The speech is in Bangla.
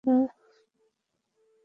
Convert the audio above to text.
তার সাথে কথা বলো না!